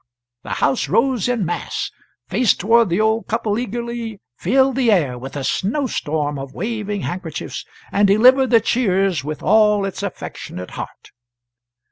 The house rose in mass, faced toward the old couple eagerly, filled the air with a snow storm of waving handkerchiefs, and delivered the cheers with all its affectionate heart.